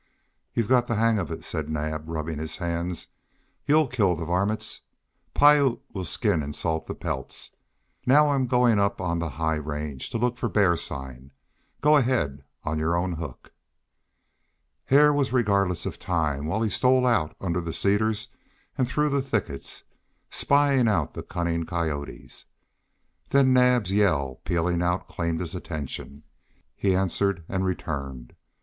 "You've got the hang of it," said Naab, rubbing his hands. "You'll kill the varmints. Piute will skin and salt the pelts. Now I'm going up on the high range to look for bear sign. Go ahead, on your own hook." Hare was regardless of time while he stole under the cedars and through the thickets, spying out the cunning coyotes. Then Naab's yell pealing out claimed his attention; he answered and returned.